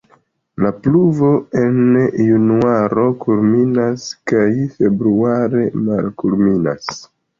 La pluvo en januaro kulminas kaj februare malkulminas.